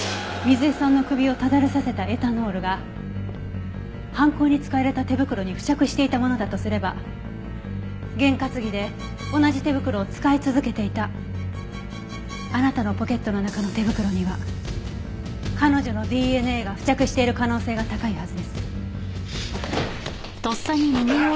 水絵さんの首をただれさせたエタノールが犯行に使われた手袋に付着していたものだとすれば験担ぎで同じ手袋を使い続けていたあなたのポケットの中の手袋には彼女のＤＮＡが付着している可能性が高いはずです。